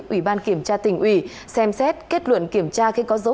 ủy ban kiểm tra tỉnh ủy xem xét kết luận kiểm tra khiến có dấu